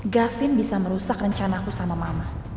gavin bisa merusak rencanaku sama mama